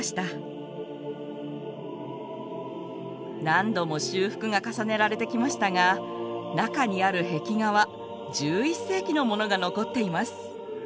何度も修復が重ねられてきましたが中にある壁画は１１世紀のものが残っています。